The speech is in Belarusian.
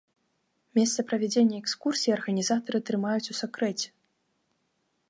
Месца правядзення экскурсіі арганізатары трымаюць у сакрэце.